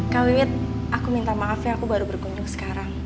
kak wiwit aku minta maaf ya aku baru berkunjung sekarang